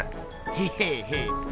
へへへ。